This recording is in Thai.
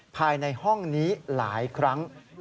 ภายในห้องนี้หลายครั้ง